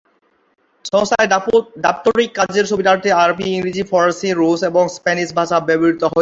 সংস্থায় দাপ্তরিক কাজের সুবিধার্থে আরবী, ইংরেজি, ফরাসি, রুশ এবং স্প্যানিশ ভাষা ব্যবহৃত হয়ে থাকে।